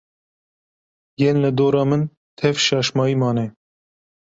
Yên li dora min tev şaşmayî mane